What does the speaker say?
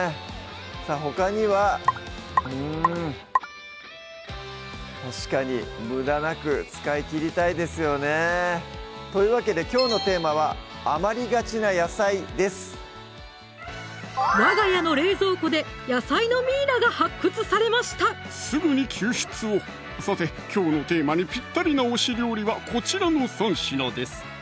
さぁほかにはうん確かに無駄なく使い切りたいですよねというわけできょうのテーマは「あまりがちな野菜」ですすぐに救出をさてきょうのテーマにぴったりな推し料理はこちらの３品です